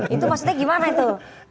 itu maksudnya gimana itu